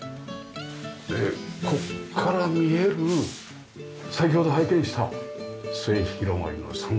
でここから見える先ほど拝見した末広がりの三角の窓ですよね。